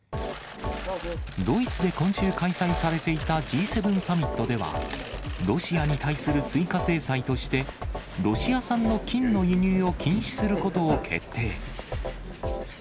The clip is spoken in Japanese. ドイツで今週開催されていたＧ７サミットでは、ロシアに対する追加制裁として、ロシア産の金の輸入を禁止することを決定。